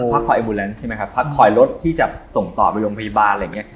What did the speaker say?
คอยไอบูแลนซ์ใช่ไหมครับพักคอยรถที่จะส่งต่อไปโรงพยาบาลอะไรอย่างเงี้